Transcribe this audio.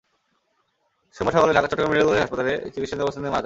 সোমবার সকালে Chittagong medical college হাসপাতালে চিকিৎসাধীন অবস্থায় তিনি মারা যান।